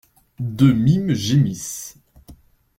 Deux mimes gémissent.